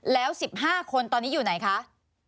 แล้ว๑๕คนตอนนี้อยู่ไหนคะ